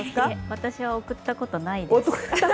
私は贈ったことないです。